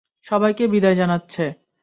সবাইকে বিদায় জানাচ্ছে।